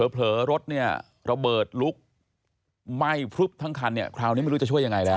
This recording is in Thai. เผลอรถระเบิดลุกไหม้ทั้งคันคราวนี้ไม่รู้จะช่วยอย่างไรแล้ว